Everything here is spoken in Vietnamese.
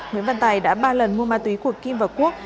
nguyễn văn tài đã ba lần mua ma túy của kim và quốc